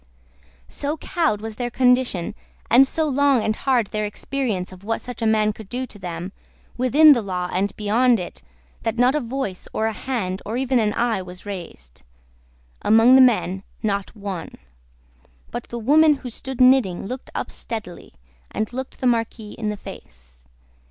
So cowed was their condition, and so long and hard their experience of what such a man could do to them, within the law and beyond it, that not a voice, or a hand, or even an eye was raised. Among the men, not one. But the woman who stood knitting looked up steadily, and looked the Marquis in the face.